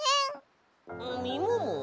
みもも？